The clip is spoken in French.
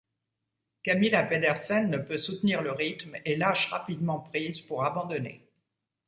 Camilla Pedersen ne peut soutenir le rythme et lâche rapidement prise pour abandonner.